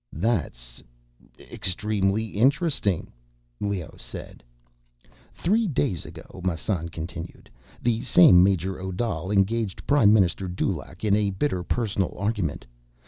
"That's ... extremely interesting," Leoh said. "Three days ago," Massan continued, "the same Major Odal engaged Prime Minister Dulaq in a bitter personal argument.